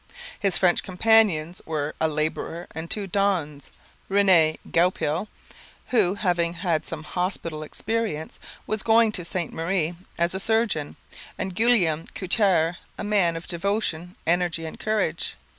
His French companions were a labourer and two donnes Rene Goupil, who, having had some hospital experience, was going to Ste Marie as a surgeon, and Guillaume Couture, a man of devotion, energy, and courage.